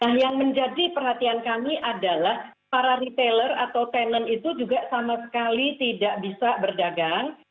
nah yang menjadi perhatian kami adalah para retailer atau tenan itu juga sama sekali tidak bisa berdagang